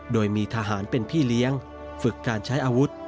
โดยมีทหารเป็นพี่เลี้ยงฝึกการใช้อาวุธ